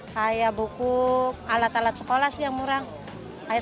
kayak buku alat alat sekolah sih yang murah